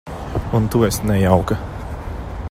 Un tu esi nejauka.